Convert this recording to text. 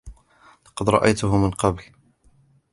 لقد رأيتهُ من قبل.